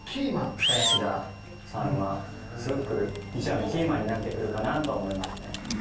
林田さんはすごくキーマンになってくるかなと思いますね。